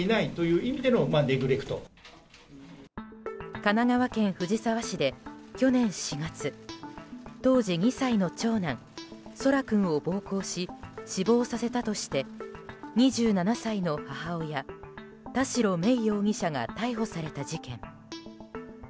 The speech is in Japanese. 神奈川県藤沢市で去年４月当時２歳の長男・空来君を暴行し死亡させたとして２７歳の母親・田代芽衣容疑者が逮捕された事件。